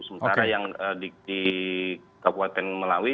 sementara yang di kabupaten melawi